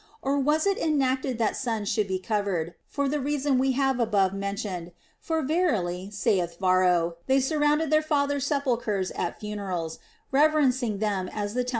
Or was it enacted that sons should be covered, for the reason Ave have above mentioned (for verily, saith Varro, they surround their fathers' sepulchres at funerals, reverencing them as the tem 212 THE ROMAN QUESTIONS.